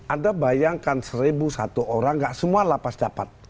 anda bayangkan seribu satu orang gak semua lapas dapat